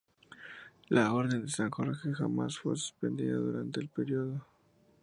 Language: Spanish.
La Orden de San Jorge jamás fue suspendida durante el periodo comunista.